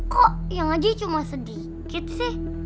kok yang ngaji cuma sedikit sih